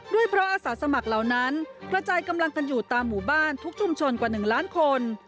ด้วยเพราะอาสาสมัครเหล่านั้นกระจายกำลังกันอยู่ตามหมู่บ้านทุกชุมชนกว่า๑ล้านคน